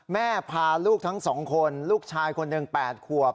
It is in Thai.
แม่พาลูกทั้ง๒คนลูกชายคนหนึ่ง๘ขวบ